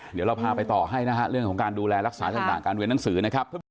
เดี๋ยวเราพาไปต่อให้นะฮะเรื่องของการดูแลรักษาต่างการเรียนหนังสือนะครับ